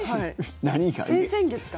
先々月か。